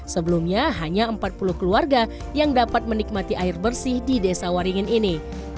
sebelumnya hanya empat puluh keluarga yang dapat menikmati air bersih di desa waringin ini